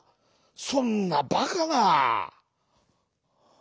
そんなバカな」。